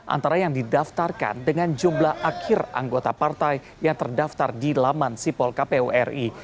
antara yang didaftarkan dengan jumlah akhir anggota partai yang terdaftar di laman sipol kpu ri